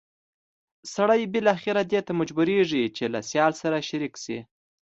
سړی بالاخره دې ته مجبورېږي چې له سیال سره شریک شي.